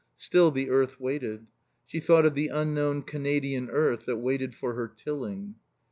Still the earth waited. She thought of the unknown Canadian earth that waited for her tilling.